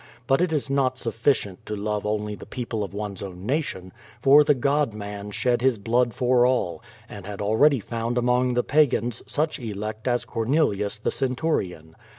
Hut it is not sufficient to love only the people of one's own nation, for the God man shed his blood for all, and had already found among the pagans such elect as Cornelius the centurion.